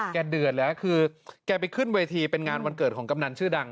เดือดแล้วคือแกไปขึ้นเวทีเป็นงานวันเกิดของกำนันชื่อดัง